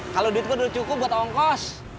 kalau duit gue udah cukup buat ongkos